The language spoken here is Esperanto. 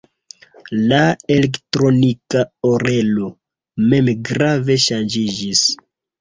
La "Elektronika Orelo" mem grave ŝanĝiĝis.